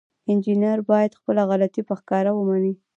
انجینر باید خپله غلطي په ښکاره ومني.